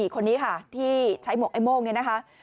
คนนี้ค่ะที่ใช้หมวกไอ้โม่งเนี่ยนะคะ